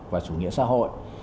và chủ nghĩa xã hội